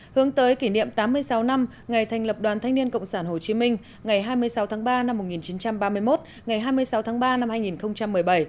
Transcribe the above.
hướng tới kỷ niệm tám mươi sáu năm ngày thành lập đoàn thanh niên cộng sản hồ chí minh ngày hai mươi sáu tháng ba năm một nghìn chín trăm ba mươi một ngày hai mươi sáu tháng ba năm hai nghìn một mươi bảy